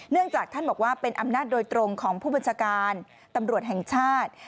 จากท่านบอกว่าเป็นอำนาจโดยตรงของผู้บัญชาการตำรวจแห่งชาติ